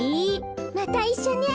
またいっしょね！